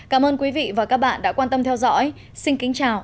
cảm ơn quý vị và các bạn đã quan tâm theo dõi xin kính chào và hẹn gặp lại